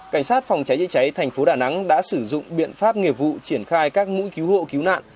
cảnh sát phòng cháy chữa cháy thành phố đà nẵng đã sử dụng biện pháp nghiệp vụ triển khai các mũi cứu hộ cứu nạn